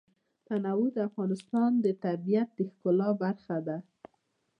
تنوع د افغانستان د طبیعت د ښکلا برخه ده.